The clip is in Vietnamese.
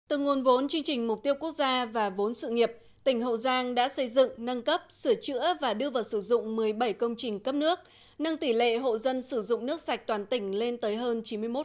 từ nguồn vốn chương trình mục tiêu quốc gia và vốn sự nghiệp tỉnh hậu giang đã xây dựng nâng cấp sửa chữa và đưa vào sử dụng một mươi bảy công trình cấp nước nâng tỷ lệ hộ dân sử dụng nước sạch toàn tỉnh lên tới hơn chín mươi một